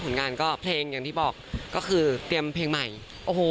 ผลงานก็เพลงอย่างที่บอกก็คือเตรียมเพลงใหม่โอ้โห